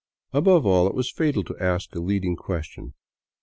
Above all, it was fatal to ask a leading question.